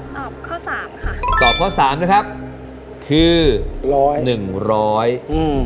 ตอบข้อสามค่ะตอบข้อสามนะครับคือร้อยหนึ่งร้อยอืม